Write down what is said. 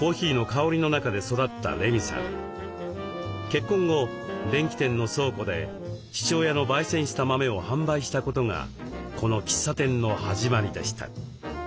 結婚後電気店の倉庫で父親のばい煎した豆を販売したことがこの喫茶店の始まりでした。